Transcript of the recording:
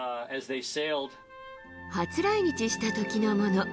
初来日したときのもの。